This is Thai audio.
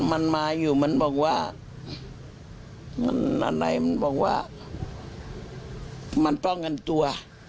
มันมาอยู่มันบอกว่าอันไหนมันบอกว่ามันป้องกันตัว